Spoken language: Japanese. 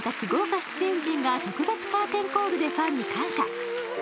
豪華出演陣が特別カーテンコールでファンに感謝。